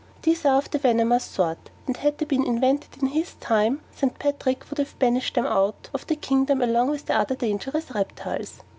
These are of the venomous sort; and had they been invented in his time, St. Patrick would have banished them out of the kingdom along with the other dangerous reptiles.